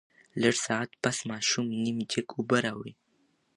لږ ساعت پس ماشوم نيم جګ اوبۀ راوړې